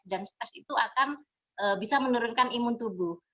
dan stres itu akan bisa menurunkan imun tubuh